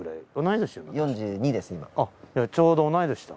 ちょうど同い年だ。